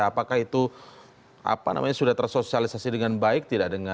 apakah itu sudah tersosialisasi dengan baik tidak dengan